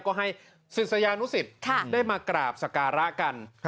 ก็ให้ศิษยานุสิตได้มากราบสการะกัน